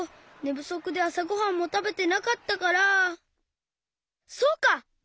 ぶそくであさごはんもたべてなかったから。